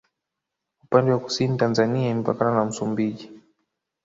upande wa kusini tanzania imepakana na msumbiji